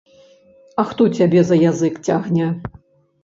А хто цябе за язык цягне?